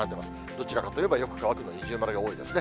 どちらかといえばよく乾くの二重丸が多いですね。